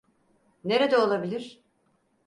Nerede olabilir?